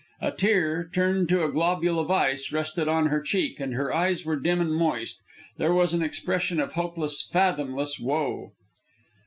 A tear, turned to a globule of ice, rested on her cheek, and her eyes were dim and moist; there was an expression of hopeless, fathomless woe.